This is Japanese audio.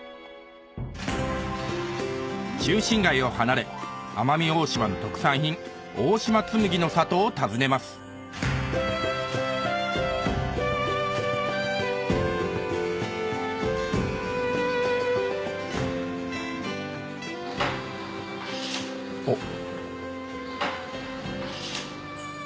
中心街を離れ奄美大島の特産品大島紬の里を訪ねますおっ。